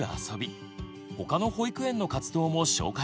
他の保育園の活動も紹介します！